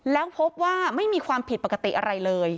แล้วพบว่าไม่มีความผิดปกติอะไรเลย